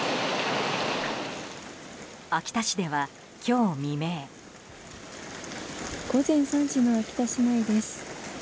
秋田市では、今日未明。午前３時の秋田市内です。